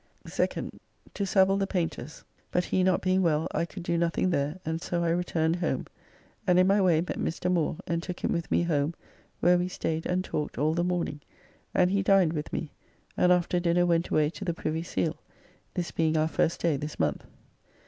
2nd. To Savill the painter's, but he not being well I could do nothing there, and so I returned home, and in my way met Mr. Moore and took him with me home; where we staid and talked all the morning, and he dined with me, and after dinner went away to the Privy Seal, this being our first day this month.